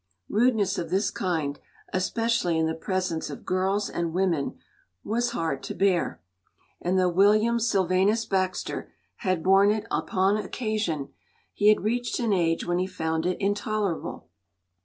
” Rudeness of this kind, especially in the presence of girls and women, was hard to bear, and though William Sylvanus Baxter had borne it upon occasion, he had reached an age when he found it intolerable.